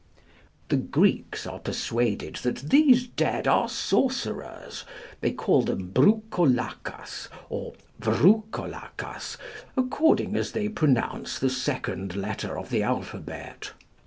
The Greeks are persuaded that these dead are sorcerers; they call them "broucolacas," or "vroucolacas," according as they pronounce the second letter of the alphabet.